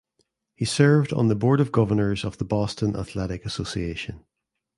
He served on the Board of Governors of the Boston Athletic Association.